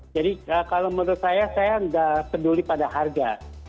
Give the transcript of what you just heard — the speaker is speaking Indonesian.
jadi kalau menurut saya saya tidak peduli pada harga